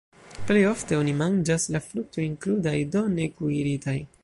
Plej ofte oni manĝas la fruktojn krudaj, do ne kuiritaj.